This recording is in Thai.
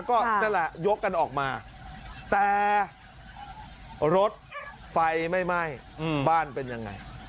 ก็นั่นแหละยกกันออกมาแต่รถไฟไม่ไหม้บ้านเป็นยังไง